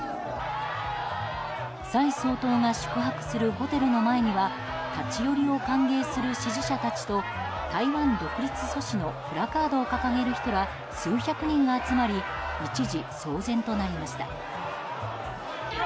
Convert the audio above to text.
蔡総統が宿泊するホテルの前には立ち寄りを歓迎する支持者たちと台湾独立阻止のプラカードを掲げる人ら数百人が集まり一時騒然となりました。